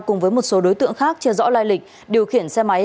cùng với một số đối tượng khác chưa rõ lai lịch điều khiển xe máy